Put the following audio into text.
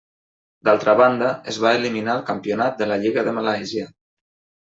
D'altra banda, es va eliminar el campionat de la lliga de Malàisia.